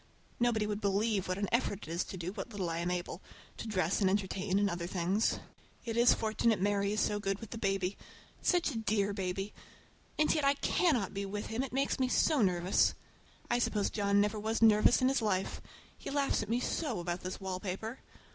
Nobody would believe what an effort it is to do what little I am able—to dress and entertain, and order things. It is fortunate Mary is so good with the baby. Such a dear baby! And yet I cannot be with him, it makes me so nervous. I suppose John never was nervous in his life. He laughs at me so about this wallpaper!